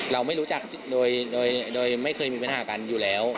เราไม่รู้จักโดยไม่เคยมีปัญหากันอยู่แล้ว